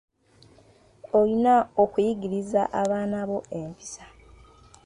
Olina okuyigiriza abaana bo empisa.